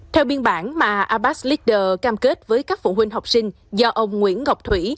theo biên bản mà abax leader cam kết với các phụ huynh học sinh do ông nguyễn ngọc thủy